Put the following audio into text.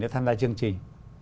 đã tham gia chương trình